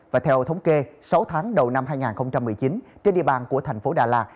và theo thống kê sáu tháng đầu năm hai nghìn một mươi chín trên địa bàn của thành phố đà lạt